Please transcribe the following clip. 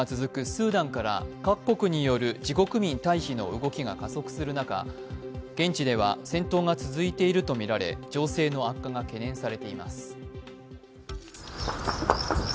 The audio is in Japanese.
スーダンから各国による自国民退避の動きが加速する中現地では戦闘が続いているとみられ情勢の悪化が懸念されています。